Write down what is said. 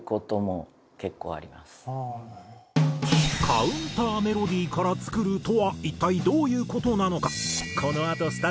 カウンター・メロディーから作るとは一体どういう事なのか？